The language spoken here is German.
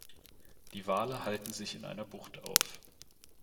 Die Wale halten sich in einer Bucht auf.